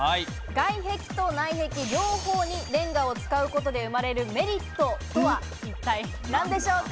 外壁と内壁、両方にレンガを使うことで生まれるメリットとは一体何でしょうか。